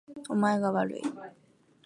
お前がわるい